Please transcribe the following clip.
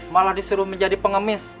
malah disuruh menjadi pengemis